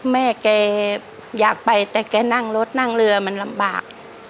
แม่แกอยากไปแต่แกนั่งรถนั่งเรือมันลำบาก